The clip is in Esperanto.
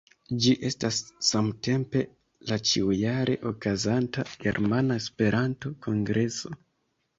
Ĝi estas samtempe la ĉiujare okazanta Germana Esperanto-Kongreso.